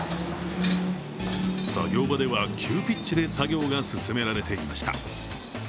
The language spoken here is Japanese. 作業場では、急ピッチで作業が進められていました。